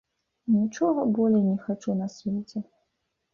Нічога болей не хачу на свеце!